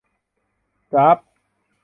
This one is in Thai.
จ๊าบ !